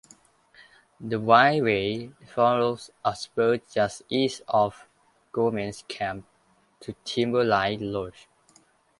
The Byway follows a spur just east of Government Camp to Timberline Lodge.